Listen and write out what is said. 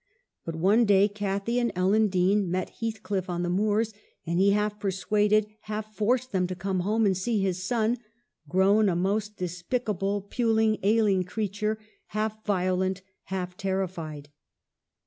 But one day, Cathy and Ellen Dean met Heathcliff on the moors, and he half persuaded, half forced them to come home and see his son, grown a most despicable, puling, ailing creature, half violent, half terrified.